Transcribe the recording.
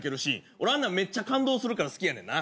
俺あんなん感動するから好きやねんな。